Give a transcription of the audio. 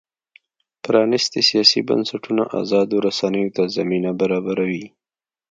پرانیستي سیاسي بنسټونه ازادو رسنیو ته زمینه برابروي.